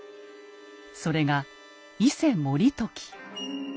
それが伊勢盛時。